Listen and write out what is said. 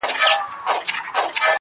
نشه ـ نشه جام د سوما لیري کړي